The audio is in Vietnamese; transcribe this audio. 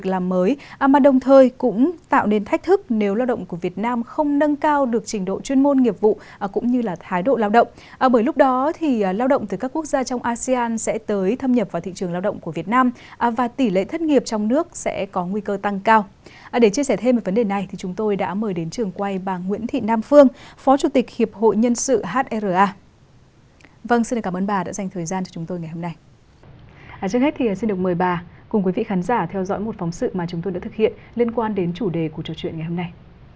trước hết thì xin được mời bà cùng quý vị khán giả theo dõi một phóng sự mà chúng tôi đã thực hiện liên quan đến chủ đề của trò chuyện ngày hôm nay